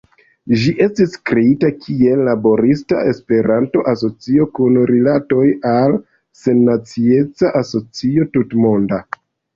Ĝi estis kreita kiel Laborista Esperanto-Asocio, kun rilatoj al Sennacieca Asocio Tutmonda.